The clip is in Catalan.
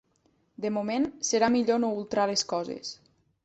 De moment, serà millor no ultrar les coses.